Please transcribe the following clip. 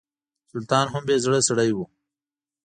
سلطان هم بې زړه سړی و.